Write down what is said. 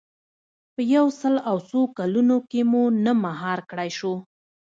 په یو سل او څو کلونو کې مو نه مهار کړای شو.